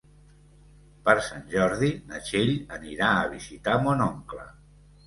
Per Sant Jordi na Txell anirà a visitar mon oncle.